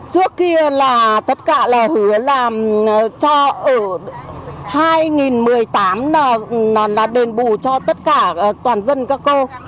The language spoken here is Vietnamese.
trước kia là tất cả là hứa làm cho ở hai một mươi tám là đền bù cho tất cả toàn dân các cô